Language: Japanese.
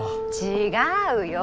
違うよ。